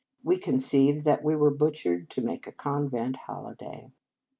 We conceived that we were butchered to make a convent holiday.